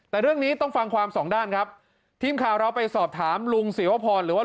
แต่เรื่องนี้ต้องฟังความสองด้านครับทีมข่าวเราไปสอบถามลุงศิวพรหรือว่า